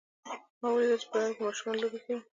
ما ولیدل چې په لاره کې ماشومان لوبې کوي